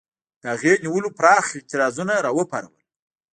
د هغې نیولو پراخ اعتراضونه را وپارول.